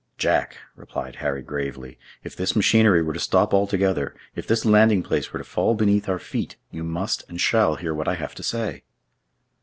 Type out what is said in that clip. "Jack," replied Harry gravely, "if this machinery were to stop altogether, if this landing place were to fall beneath our feet, you must and shall hear what I have to say."